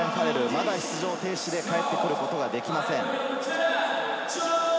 まだ出場停止で帰ってくることができません。